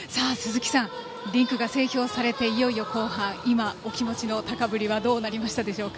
鈴木さん、リンクが整氷されていよいよ後半、今、お気持ちの高ぶりはどうなりましたか。